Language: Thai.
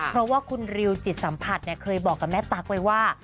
เพราะว่าคุณริวจิตสัมผัสเคยบอกกับแม่ตั๊กไว้ว่า